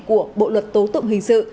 của bộ luật tố tụng hình sự